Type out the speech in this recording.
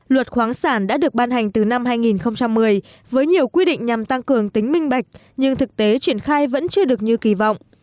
luật khoáng sản đã được ban hành từ năm hai nghìn một mươi với nhiều quy định nhằm tăng cường tính minh bạch nhưng thực tế triển khai vẫn chưa được như kỳ vọng